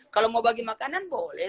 kalau mau bagi makanan boleh